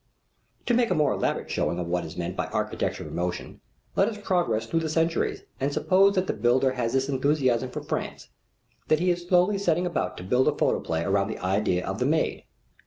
To make a more elaborate showing of what is meant by architecture in motion, let us progress through the centuries and suppose that the builder has this enthusiasm for France, that he is slowly setting about to build a photoplay around the idea of the Maid.